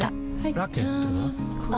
ラケットは？